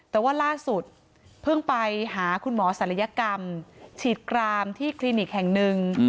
แต่ว่าล่าสุดเพิ่งไปหาคุณหมอศัลยกรรมฉีดกรามที่คลินิกแห่งหนึ่ง